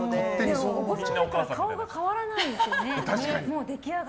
お子さんの時から顔が変わらないですよね。